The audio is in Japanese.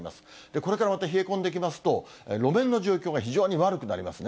これからまた冷え込んできますと、路面の状況が非常に悪くなりますね。